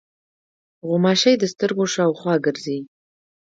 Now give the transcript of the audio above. غوماشې د سترګو شاوخوا ګرځي.